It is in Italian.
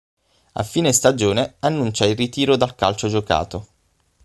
A fine stagione annuncia il ritiro dal calcio giocato.